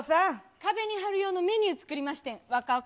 壁に貼る用のメニュー作りましてん。